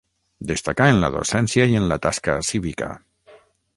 Destacà en la docència i en la tasca cívica.